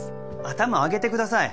頭上げてください